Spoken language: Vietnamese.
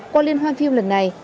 qua liên hoan phim lần này